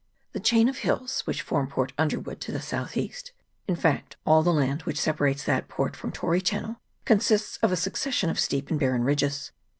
The chain of hills which form Port Underwood to the south east, in fact all the land which separates that port from Tory Channel, consists of a succes sion of steep and barren ridges.